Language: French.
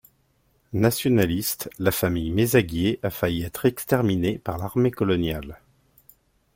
Nationaliste, la famille Mezaguer a failli être exterminée par l'armée coloniale.